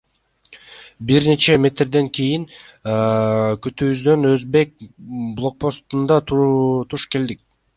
Бир нече метрден кийин күтүүсүздөн өзбек блокпостуна туш келдик.